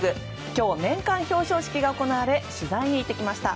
今日、年間表彰式が行われ取材に行ってきました。